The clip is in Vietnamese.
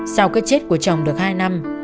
sau cơ chết của chồng được hai năm